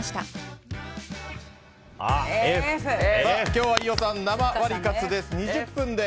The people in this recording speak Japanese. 今日は飯尾さん生ワリカツです。